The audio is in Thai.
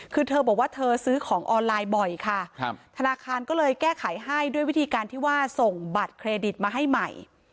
คือเธอบอกว่าเธอซื้อของออนไลน์บ่อยค่ะธนาคารก็เลยแก้ไขให้ด้วยวิธีการที่ว่าส่งบัตรเครดิตมาให้ใหม่